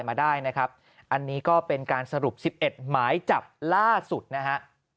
มาได้นะครับอันนี้ก็เป็นการสรุป๑๑หมายจับล่าสุดนะฮะ